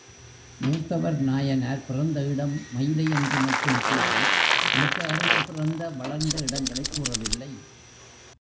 மூத்தவர் நாயனார் பிறந்த இடம் மயிலையென்று மட்டும் கூறி மற்ற அறுவர் பிறந்த, வளர்ந்த இடங்களைக் கூறவில்லை.